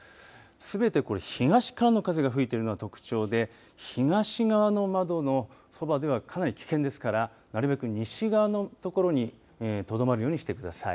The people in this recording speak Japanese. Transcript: すべて、これ東からの風が吹いているのが特徴で東側の窓のそばではかなり危険ですからなるべく西側のところにとどまるようにしてください。